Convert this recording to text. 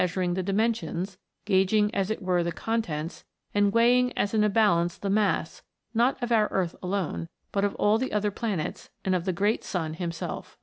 177 suring the dimensions, gauging as it were the con tents, and weighing as in a balance the mass, not of our earth alone, but of all the other planets, and of the great sun himself.